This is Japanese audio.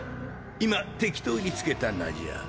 今適当につけた名じゃ。